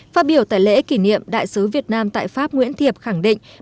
phát biểu tại lễ kỷ niệm đại sứ việt nam tại pháp nguyễn thiệp khẳng định